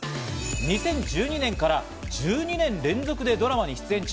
２０１２年から１２年連続でドラマに出演中。